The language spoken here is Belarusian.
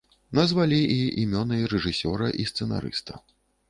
Назвалі і імёны рэжысёра і сцэнарыста.